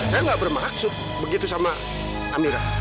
saya nggak bermaksud begitu sama amira